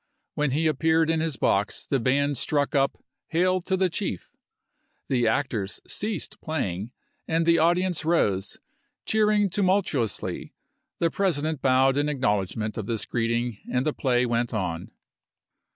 When he appeared in his box the band struck up " Hail to the Chief," the actors ceased playing, and the audience rose, cheering tumultuously ; the President bowed in acknowledgment of this greet ing and the play went on.